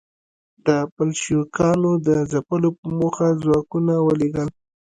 د بلشویکانو د ځپلو په موخه ځواکونه ولېږل.